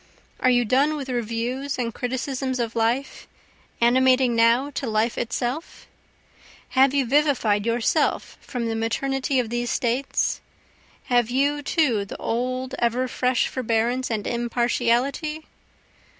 Are you done with reviews and criticisms of life? animating now to life itself? Have you vivified yourself from the maternity of these States? Have you too the old ever fresh forbearance and impartiality?